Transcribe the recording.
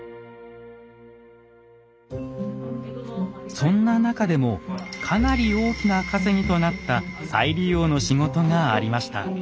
そんな中でもかなり大きな稼ぎとなった再利用の仕事がありました。